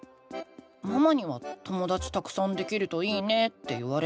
ママには「ともだちたくさんできるといいね」って言われたけど。